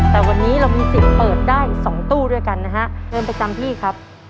แต่วันนี้เรามีสิทธิ์เปิดได้สองตู้ด้วยกันนะฮะเริ่มเป็นต้องพี่ครับ